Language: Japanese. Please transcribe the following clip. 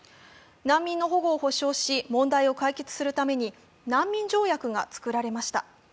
難民の保護を保障し問題を解決するために難民条約が作られました。